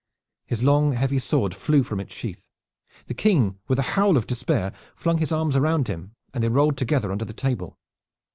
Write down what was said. His long heavy sword flew from its sheath. The King, with a howl of despair, flung his arms round him, and they rolled together under the table.